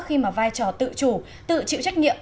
khi mà vai trò tự chủ tự chịu trách nhiệm